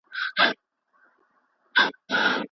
زه له ډېر وخت راهیسې په دې شرکت کي یم.